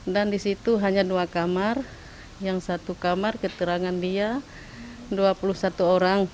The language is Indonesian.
dan di situ hanya dua kamar yang satu kamar keterangan dia dua puluh satu orang